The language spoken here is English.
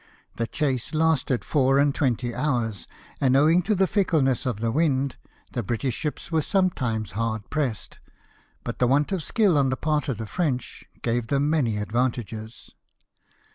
The chase lasted four and twenty hours ; and, owing to the fickleness of the wind, the British ships were sometimes hard pressed; but the want of skill on the part of the French gave them many advantages.